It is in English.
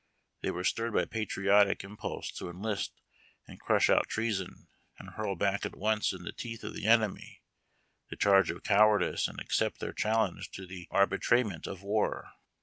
They were stirred by patriotic im pulse to enlist and crush out treason, and hurl back at once in the teeth of the enemy the charge of co\vardice and accept their challenge to the arbitrament of w'ar.